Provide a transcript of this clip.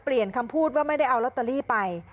คำพูดว่าไม่ได้เอาลอตเตอรี่ไป